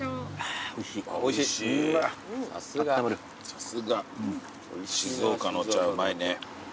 さすが静岡のお茶はうまいね。